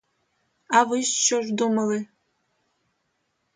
А ви що ж думали?